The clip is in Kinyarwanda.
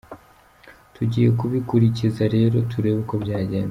Tugiye kubikurikiza rero turebe uko byagenda.